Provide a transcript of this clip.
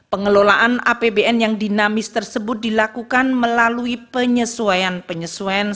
pengelolaan apbn yang dinamis tersebut dilakukan melalui penyesuaian penyesuaian